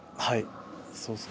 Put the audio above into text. はいそうですね。